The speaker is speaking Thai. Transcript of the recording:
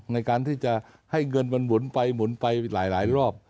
ในการที่จะให้เงินมันหมุนไปหมุนไปหลายรอบ